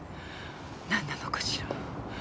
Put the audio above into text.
何なのかしら？